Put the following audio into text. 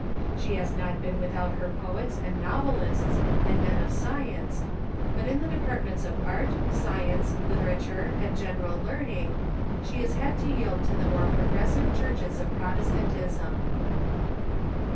She has not been without her poets and novelists and men of science ; but in the departments of art, science, literature, and general learning she has had to yield to the more progressive churches of Protestantism.